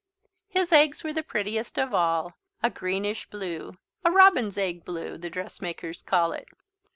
His eggs were the prettiest of all, a greenish blue, a robin's egg blue, the dressmakers call it.